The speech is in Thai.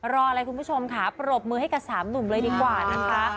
อะไรคุณผู้ชมค่ะปรบมือให้กับสามหนุ่มเลยดีกว่านะคะ